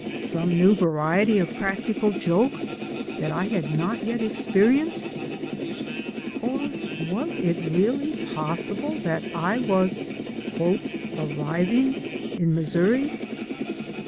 Some new variety of practical joke that I had not yet ex perienced? Or was it really possible that I was "arriving" in Missouri?